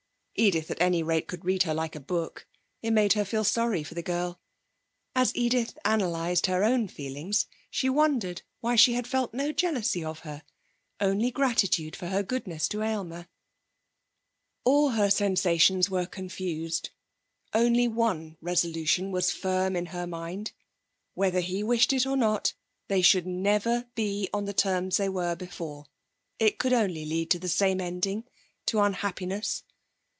Edith, at any rate, could read her like a book. It made her feel sorry for the girl. As Edith analysed her own feelings she wondered why she had felt no jealousy of her only gratitude for her goodness to Aylmer. All her sensations were confused. Only one resolution was firm in her mind. Whether he wished it or not, they should never be on the terms they were before. It could only lead to the same ending to unhappiness.